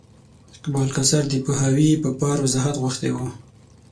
اقبال کوثر د پوهاوي په پار وضاحت غوښتی و.